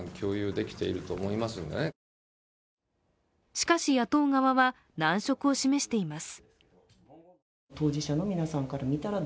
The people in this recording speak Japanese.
しかし、野党側は難色を示しています。